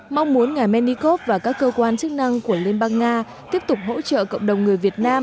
mong muốn ngài menikov và các cơ quan chức năng của liên bang nga tiếp tục hỗ trợ cộng đồng người việt nam